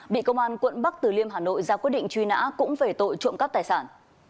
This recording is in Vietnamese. bị công an quận bắc từ liêm hà nội ra quyết định truy nã cũng về tội trộm cắp tài sản